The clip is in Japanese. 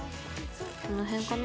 この辺かな？